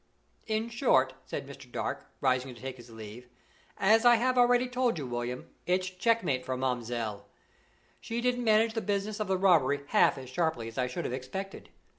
"In short," said Mr. Dark, rising to take his leave, "as I have told you already, William, it's checkmate for marmzelle. She didn't manage the business of the robbery half as sharply as I should have expected.